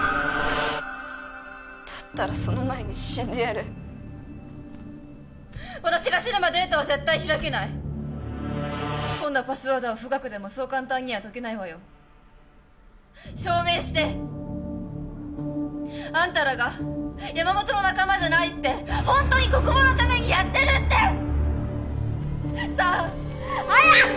だったらその前に死んでやる私が死ねばデータは絶対開けない仕込んだパスワードは富岳でもそう簡単には解けないわよ証明して！あんたらが山本の仲間じゃないってほんとに国防のためにやってるって！さあ早く！